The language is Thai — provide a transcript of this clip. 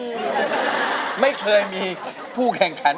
ไม่เคยมีผู้แข่งขัน